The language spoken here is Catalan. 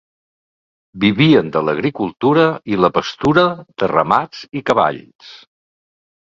Vivien de l'agricultura i la pastura de ramats i cavalls.